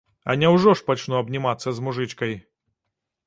А няўжо ж пачну абнімацца з мужычкай?